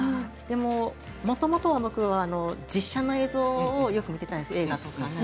もともと僕は実写の映像をよく見てたんですよ映画とか。